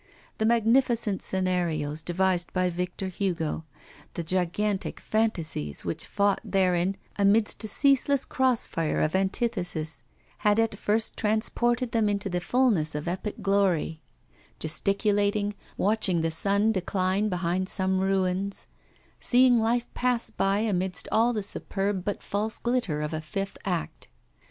The magnificent scenarios devised by Victor Hugo, the gigantic phantasies which fought therein amidst a ceaseless cross fire of antithesis, had at first transported them into the fulness of epic glory; gesticulating, watching the sun decline behind some ruins, seeing life pass by amidst all the superb but false glitter of a fifth act.